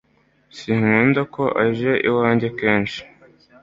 sinkunda ko aje iwanjye kenshi